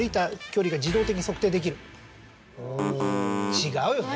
違うよね。